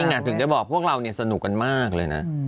นี่ไงถึงจะบอกพวกเราเนี่ยสนุกกันมากเลยนะ